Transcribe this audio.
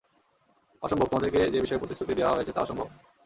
অসম্ভব, তোমাদেরকে যে বিষয়ে প্রতিশ্রুতি দেয়া হয়েছে তা অসম্ভব।